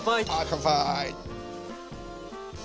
乾杯！